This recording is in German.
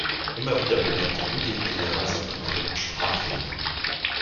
Immer wieder bemerkt der angehende Lehrer seine eigenen Sprachfehler.